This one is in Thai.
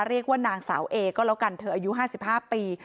เรียกว่านางสาวเอก็แล้วกันเธออายุ๕๕ปี